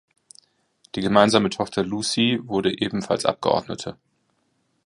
Die gemeinsame Tochter Lucie wurde ebenfalls Abgeordnete.